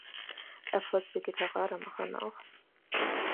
Er folgt Birgitta Radermacher nach.